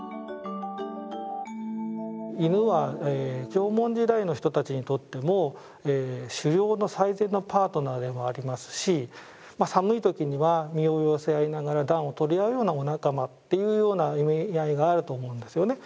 犬は縄文時代の人たちにとっても狩猟の最善のパートナーでもありますし寒い時には身を寄せ合いながら暖を取り合うような仲間っていうような意味合いがあると思うんですよね。